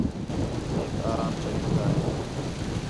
میک آرام چاہیجدا ہے